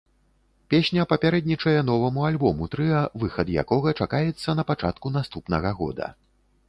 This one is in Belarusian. Песня папярэднічае новаму альбому трыа, выхад якога чакаецца на пачатку наступнага года.